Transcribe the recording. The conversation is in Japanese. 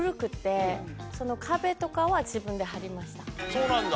そうなんだ。